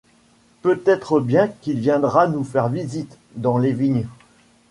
Peut-être bien qu’il viendra nous faire visite, dans les vignes.